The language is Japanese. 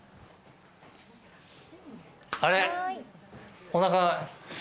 あれ？